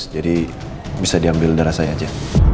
jadi bisa diambil darah saya aja